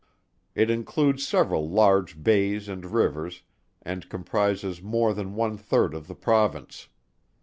It includes several large bays and rivers, and comprises more than one third of the Province.